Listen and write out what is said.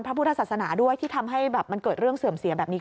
พระพุทธศาสนาด้วยที่ทำให้แบบมันเกิดเรื่องเสื่อมเสียแบบนี้